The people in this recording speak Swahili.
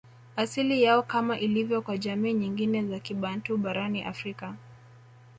Asili yao Kama ilivyo kwa jamii nyingine za Kibantu barani Afrika